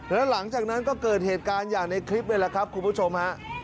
แล้วหลังจากนั้นก็เกิดเหตุการณ์อย่างในคลิปนี่แหละครับคุณผู้ชมฮะ